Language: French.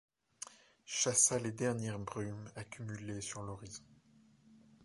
chassa les dernières brumes accumulées sur l’horizon.